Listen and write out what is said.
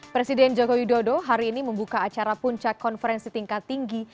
presiden joko widodo hari ini membuka acara puncak konferensi tingkat tinggi